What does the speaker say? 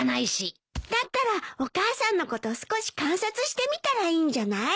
だったらお母さんのこと少し観察してみたらいいんじゃない？